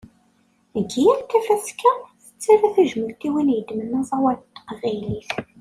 Deg yal tafaska, tettara tajmilt i win yeddmen aẓawan n teqbaylit.